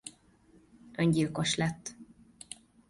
Öngyilkos lett.